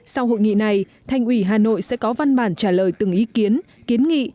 sau hội nghị này thành ủy hà nội sẽ có văn bản trả lời từng ý kiến kiến nghị